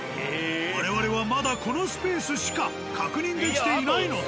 我々はまだこのスペースしか確認できていないのだ。